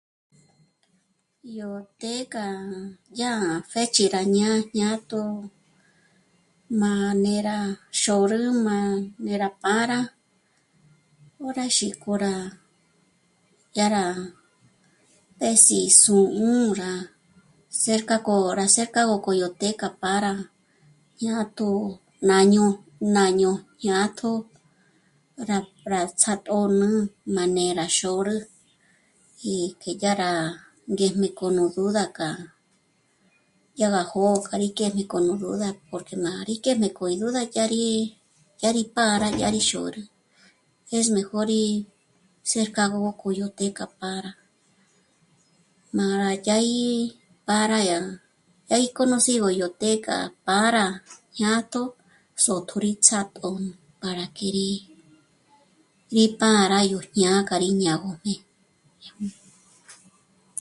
Yó të́'ë k'a yá pë́ch'i rá ñá'a jñátjo manera xôrü má ndé rá pâra ó rá xík'o rá... dyá rá... p'és'i sū́'ū rá... ná cerca k'o... ná cerca k'o yó të́'ë k'a pâra jñátjo ñáñó'o, ñáño'o jñátjo rá... rá ts'átö̌nü manera xôrü y que dyà rá ngéjm'e k'o no duda k'a dyà gá jó'o k'a íngéjm'e k'a yó duda porque ná kârí kéjme k'o no duda dya rí, dyá rí pâra xôrü, jêsmejo rí cércago k'óyó të́'ë k'a pâra m'a rá dyági pâra ya íconocido yó të́'ë k'a pâra jñátjo sò'tjuri ts'ápjo para kírí rí pâra yó jñá'a k'a rí ñá'a jójné'